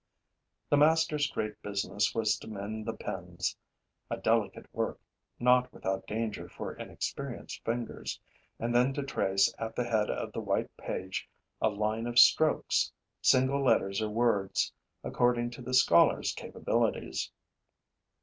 The master's great business was to mend the pens a delicate work, not without danger for inexperienced fingers and then to trace at the head of the white page a line of strokes, single letters or words, according to the scholar's capabilities.